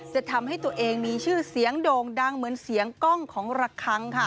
จะทำให้ตัวเองมีชื่อเสียงโด่งดังเหมือนเสียงกล้องของระคังค่ะ